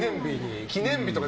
記念日とか。